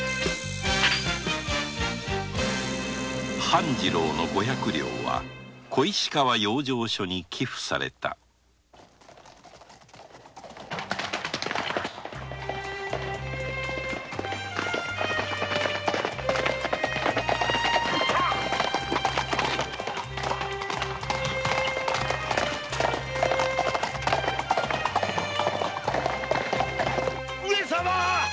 半次郎の五百両は小石川養生所に寄付された上様！